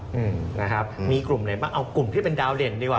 อืมนะครับมีกลุ่มไหนบ้างเอากลุ่มที่เป็นดาวเด่นดีกว่า